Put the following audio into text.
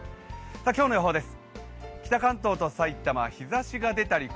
今日の予報です。